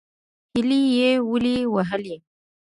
_هيلۍ يې ولې وهلې؟